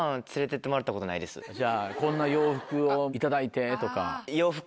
じゃあこんな洋服を頂いてとか。